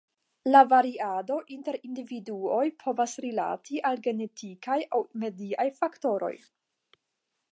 La variado inter individuoj povas rilati al genetikaj aŭ mediaj faktoroj.